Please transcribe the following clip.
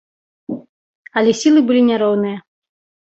Але сілы былі няроўныя.